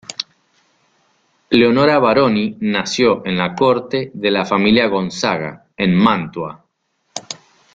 Leonora Baroni nació en la corte de la familia Gonzaga en Mantua.